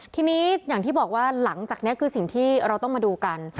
ทีนี้อย่างที่บอกว่าหลังจากนี้คือสิ่งที่เราต้องมาดูกัน